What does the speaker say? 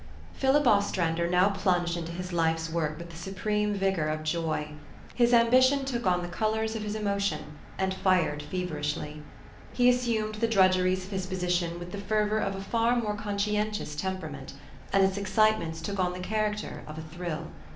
Philip Ostrander now plunged into his life's work with the supreme vigor of joy. His ambition took on the colors of his emotion, and fired feverishly. He assumed the drudgeries of his position with the fervor of a far more conscientious temperament ; and its excitements took on the character of a thrill.